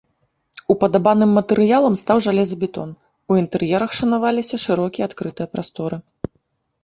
Упадабаным матэрыялам стаў жалезабетон, у інтэр'ерах шанаваліся шырокія адкрытыя прасторы.